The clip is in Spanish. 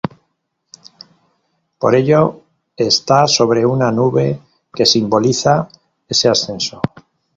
Por ello está sobre una nube que simboliza ese ascenso.